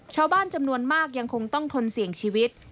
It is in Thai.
ชาวบ้านจำนวนมากยังคงต้องทนเสี่ยงชีวิต